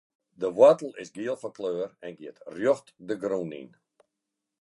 De woartel is giel fan kleur en giet rjocht de grûn yn.